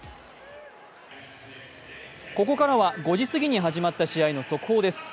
ここからは５時過ぎに始まった試合の速報です。